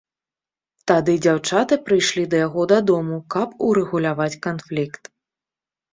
Тады дзяўчаты прыйшлі да яго дадому, каб урэгуляваць канфлікт.